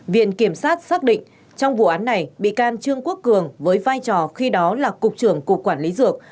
viện kiểm sát xác định trong vụ án này bị can trương quốc cường với vai trò khi đó là cục trưởng cục quản lý dược